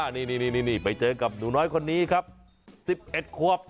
นี่ไปเจอกับหนูน้อยคนนี้ครับ๑๑ควบ